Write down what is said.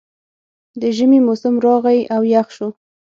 د ژمي موسم راغی او یخ شو